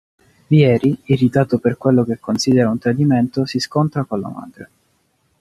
Vieri, irritato per quello che considera un tradimento, si scontra con la madre.